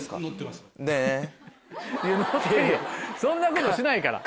そんなことはしないから。